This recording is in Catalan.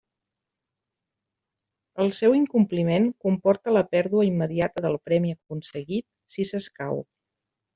El seu incompliment comporta la pèrdua immediata del premi aconseguit, si s'escau.